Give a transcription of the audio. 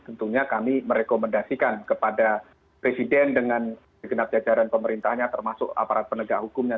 tentunya kami merekomendasikan kepada presiden dengan segenap jajaran pemerintahnya termasuk aparat penegak hukumnya